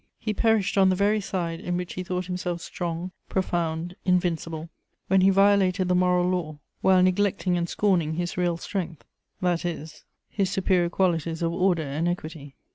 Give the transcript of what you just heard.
He perished on the very side in which he thought himself strong, profound, invincible, when he violated the moral law while neglecting and scorning his real strength, that is, his superior qualities of order and equity.